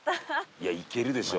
いやいけるでしょ。